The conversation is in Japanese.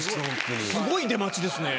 すごい出待ちですね。